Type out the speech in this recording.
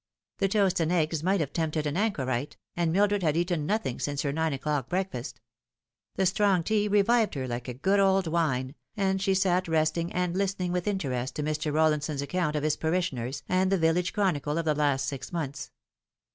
The toast and eggs might have tempted an anchorite, and Mildred had eaten nothing since her nine o'clock breakfast. The strong tea revived her like good old wine, and she sat resting and listening with interest to Mr. Rollinson's account of his parishioners, and the village chronicle of the last six months.